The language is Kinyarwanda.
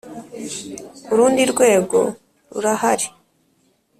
Urundi rwego rurahari.